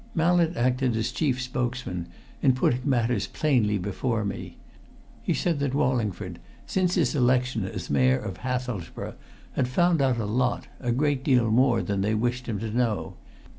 "Mallett acted as chief spokesman, in putting matters plainly before me. He said that Wallingford, since his election as Mayor of Hathelsborough, had found out a lot a great deal more than they wished him to know.